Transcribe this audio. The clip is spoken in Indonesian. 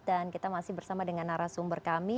dan kita masih bersama dengan arah sumber kami